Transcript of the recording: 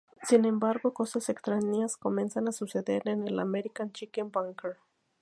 Sin embargo, cosas extrañas comienzan a suceder en el American Chicken Bunker.